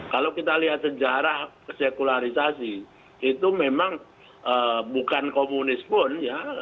kalau kita lihat sejarah sekularisasi itu memang bukan komunis pun ya